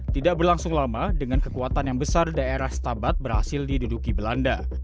tidak berlangsung lama dengan kekuatan yang besar daerah setabat berhasil diduduki belanda